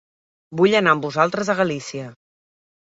Vull anar amb vosaltres a Galícia.